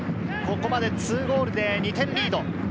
ここまで２ゴールで２点リード。